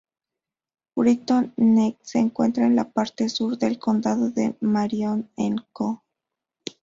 Britton Neck se encuentra en la parte sur del condado de Marion en Co.